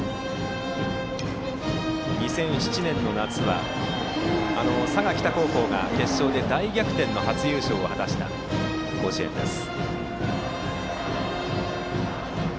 ２００７年の夏は佐賀北高校が大逆転の初優勝を果たした甲子園です。